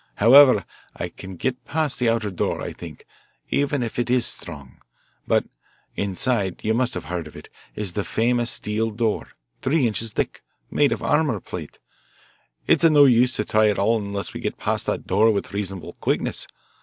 However, I can get past the outer door, I think, even if it is strong. But inside you must have heard of it is the famous steel door, three inches thick, made of armourplate. It's no use to try it at all unless we can pass that door with reasonable quickness.